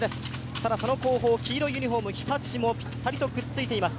ただ、その後方、黄色いユニフォーム日立もぴったりとついています。